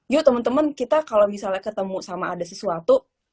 yuk temen temen kita kalo misalnya ketemu sama ada sesuatu